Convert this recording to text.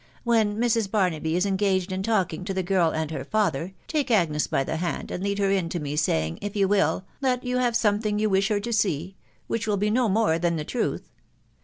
When Mrs. Barnaby is engaged in talking to the girl and her father, take Agnes by the hand and lead her in to me, saying, if you will, that you have something you wish her to see, .... which will be no more than the truth.